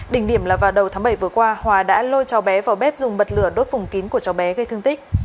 đỉnh điểm là vào đầu tháng bảy vừa qua hòa đã lôi cháu bé vào bếp dùng bật lửa đốt vùng kín của cháu bé gây thương tích